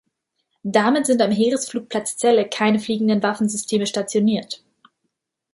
Damit sind am Heeresflugplatz Celle keine fliegende Waffensysteme stationiert.